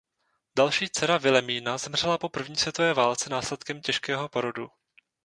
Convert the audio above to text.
Další dcera Vilemína zemřela po první světové válce následkem těžkého porodu.